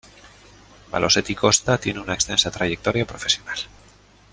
Malosetti Costa tiene una extensa trayectoria profesional.